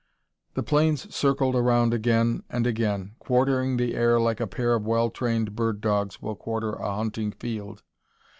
The planes circled around again and again, quartering the air like a pair of well trained bird dogs will quarter a hunting field.